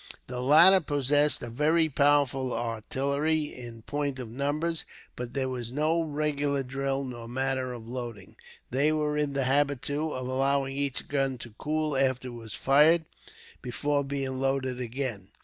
The latter possessed a very powerful artillery, in point of numbers, but there was no regular drill nor manner of loading. They were in the habit, too, of allowing each gun to cool after it was fired, before being loaded again.